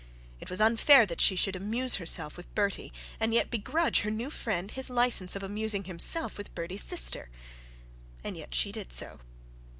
It was unfair that she should amuse herself with Bertie and yet begrudge her new friend his licence of amusing himself with Bertie's sister. And yet she did so.